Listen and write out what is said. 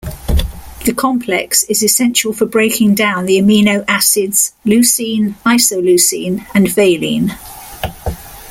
The complex is essential for breaking down the amino acids leucine, isoleucine, and valine.